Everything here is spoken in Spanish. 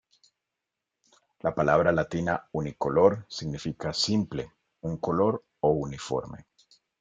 La palabra latina "unicolor" significa simple, un color o uniforme.